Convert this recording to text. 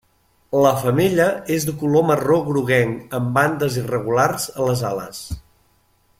La femella és de color marró groguenc amb bandes irregulars a les ales.